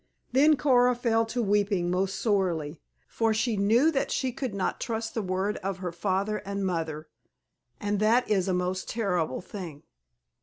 Then Coora fell to weeping most sorely, for she knew that she could not trust the word of her father and mother; and that is a most terrible thing.